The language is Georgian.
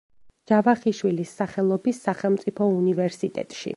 ჯავახიშვილის სახელობის სახელმწიფო უნივერსიტეტში.